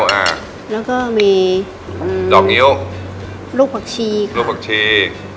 น่ะแล้วก็มีหืมดอกเงี้ยวลูกหักชีครับลูกหักชี